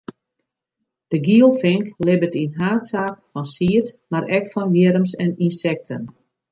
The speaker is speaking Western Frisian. De gielfink libbet yn haadsaak fan sied, mar ek fan wjirms en ynsekten.